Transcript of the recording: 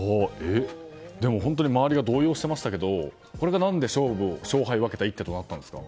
でも、本当に周りが動揺していましたがこれが何で勝敗を分けた一手となったんですか？